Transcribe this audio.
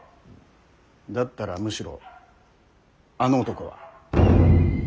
だったらむしろあの男は。